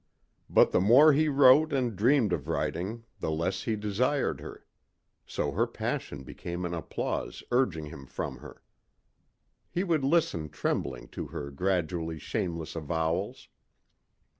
But the more he wrote and dreamed of writing the less he desired her. So her passion became an applause urging him from her. He would listen trembling to her gradually shameless avowals.